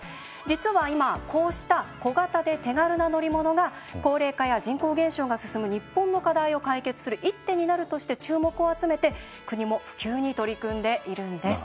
実は今こうした小型で手軽な乗り物が高齢化や人口減少が進む日本の課題を解決する一手になるとして注目を集めて国も普及に取り組んでいるんです。